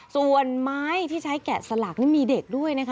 ส่วนไม้ที่ใช้แกะสลักนี่มีเด็กด้วยนะคะ